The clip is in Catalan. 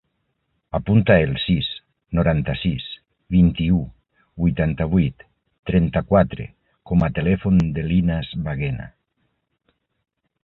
Apunta el sis, noranta-sis, vint-i-u, vuitanta-vuit, trenta-quatre com a telèfon de l'Inas Baguena.